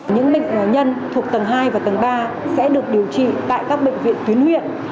những bệnh nhân thuộc tầng hai và tầng ba sẽ được điều trị tại các bệnh viện tuyến huyện